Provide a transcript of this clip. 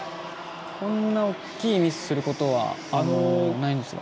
こんな大きいミスすることはないんですが。